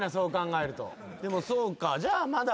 でもそうかじゃあまだ池ちゃん